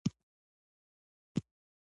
ابدي يا سرمدي ټکي راوړي وے